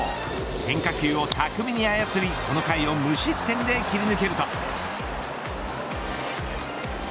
変化球を巧みに操りこの回を無失点で切り抜けると。